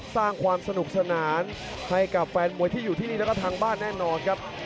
สร้างความสนุกสนานให้กับแฟนมวยที่อยู่ที่นี่แล้วก็ทางบ้านแน่นอนครับ